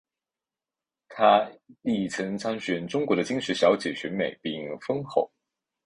她亦曾参选中国的金石小姐选美并封后。